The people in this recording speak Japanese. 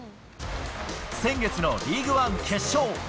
先月のリーグワン決勝。